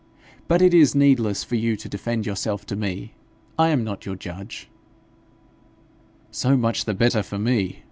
'But it is needless for you to defend yourself to me; I am not your judge.' 'So much the better for me!'